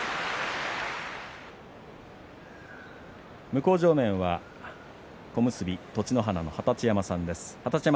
向正面は小結栃乃花の二十山さんです。